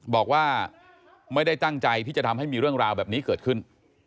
บอกว่าไม่ได้ตั้งใจที่จะทำให้มีเรื่องราวแบบนี้เกิดขึ้น